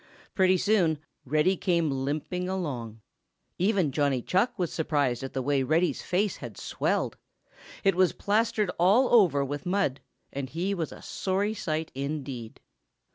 Pretty soon Reddy came limping along. Even Johnny Chuck was surprised at the way Reddy's face had swelled. It was plastered all over with mud, and he was a sorry sight indeed.